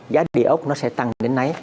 giá đề ốc nó sẽ tăng đến nấy